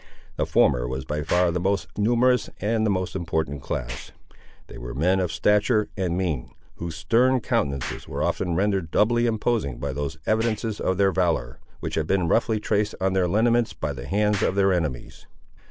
The former was by far the most numerous and the most important class. They were men of stature and mien, whose stern countenances were often rendered doubly imposing by those evidences of their valour, which had been roughly traced on their lineaments by the hands of their enemies.